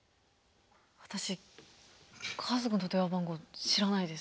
私家族の電話番号知らないです。